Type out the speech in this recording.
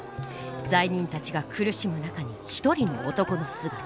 罪人たちが苦しむ中に一人の男の姿。